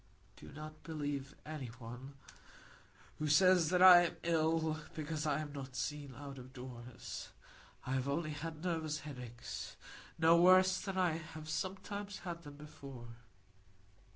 "Do not believe any one who says I am ill, because I am not seen out of doors. I have only had nervous headaches,—no worse than I have sometimes had them before.